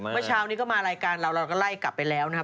เมื่อเช้านี้ก็มารายการเราเราก็ไล่กลับไปแล้วนะฮะ